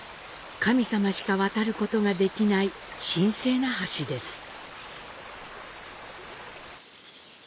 神様しか渡ることができない神聖な橋です。